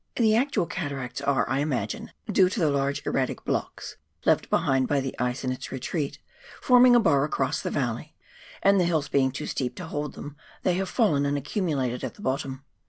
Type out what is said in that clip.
The actual cataracts are, I imagine, due to the large erratic blocks, left behind by the ice in its retreat, forming a bar across the valley, and the hills being too steep to hold them they have fallen and accumulated at the bottom.